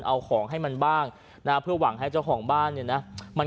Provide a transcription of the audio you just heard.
เอาของให้มันบ้างนะเพื่อหวังให้เจ้าของบ้านเนี่ยนะมัน